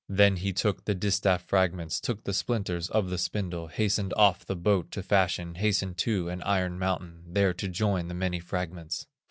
Then he took the distaff fragments, Took the splinters of the spindle, Hastened off the boat to fashion, Hastened to an iron mountain, There to join the many fragments.